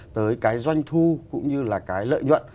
tới cái doanh thu cũng như là cái lợi nhuận